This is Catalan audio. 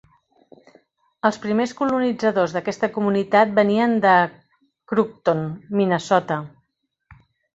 Els primers colonitzadors d'aquesta comunitat venien de Crookston, Minnesota.